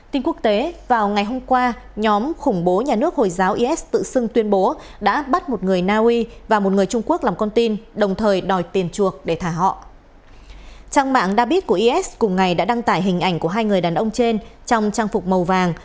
trang mạng dabit của is cùng ngày đã đăng tải hình ảnh của hai người đàn ông trên trong trang phục màu vàng